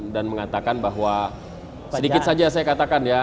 dan mengatakan bahwa sedikit saja saya katakan ya